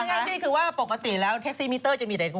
คิดอยู่เองแล้วกันคุณผู้ชม